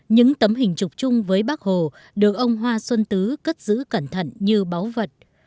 những tấm hình chụp chung với bác hồ được ông hoa xuân tứ cất giữ cẩn thận như báu vật